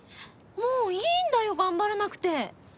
もういいんだよ頑張らなくて。